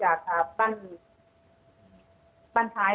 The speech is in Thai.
อันดับที่สุดท้าย